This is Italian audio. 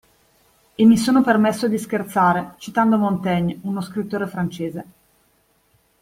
E mi sono permesso di scherzare, citando Montaigne, uno scrittore francese